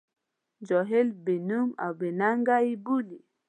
جاهل، بې نوم او بې ننګه یې بولي.